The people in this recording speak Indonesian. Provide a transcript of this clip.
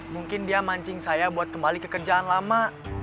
mungkin dia mancing saya buat kembali ke kerjaan lama